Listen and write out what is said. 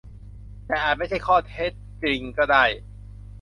แต่อาจไม่ใช่ข้อเท็จจริงก็ได้